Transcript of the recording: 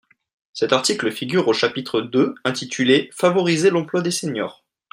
Cet article figure au chapitre deux intitulé, Favoriser l’emploi des seniors.